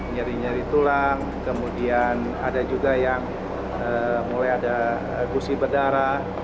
nyeri nyeri tulang kemudian ada juga yang mulai ada gusi berdarah